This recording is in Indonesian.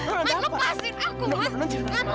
man lepasin aku man